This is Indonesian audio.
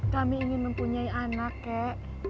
kami ingin mempunyai anak kek